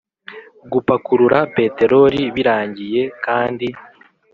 Gupakurura peteroli birangiye kandi